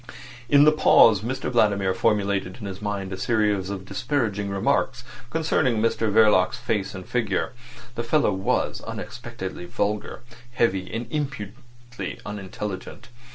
In the pause Mr Vladimir formulated in his mind a series of disparaging remarks concerning Mr Verloc's face and figure. The fellow was unexpectedly vulgar, heavy, and impudently unintelligent.